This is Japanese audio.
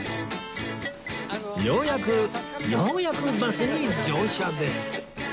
ようやくようやくバスに乗車です